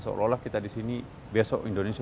seolah olah kita di sini besok indonesia